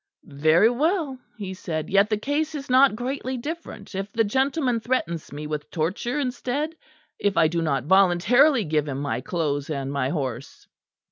"Very well," he said; "yet the case is not greatly different if the gentleman threatens me with torture instead, if I do not voluntarily give him my clothes and my horse.